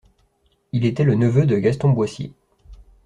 Il était le neveu de Gaston Boissier.